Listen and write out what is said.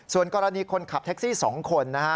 ส่วนกรณีคนขับแท็กซี่๒คนนะฮะ